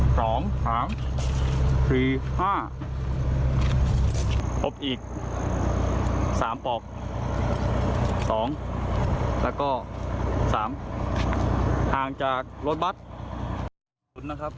๒๓๓๕ปลบอีก๓ปลอก๒แล้วก็๓ทางจากรถบัตร